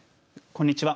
こんにちは。